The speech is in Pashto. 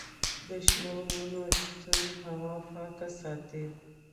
د شنو ونو شتون هوا پاکه ساتي.